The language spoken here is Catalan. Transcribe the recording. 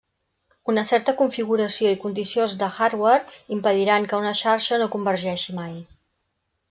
Una certa configuració i condicions de hardware impediran que una xarxa no convergeixi mai.